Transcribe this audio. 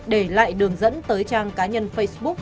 để lại đường dẫn tới trang cá nhân facebook